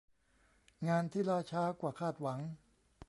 งานที่ล่าช้ากว่าคาดหวัง